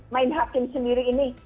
main hakim sendiri ini